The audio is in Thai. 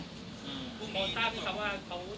คุมว่านโทรศาสตร์มากนี้ยังตอบสึกว่าการให้เขาศ่อนขอบคัด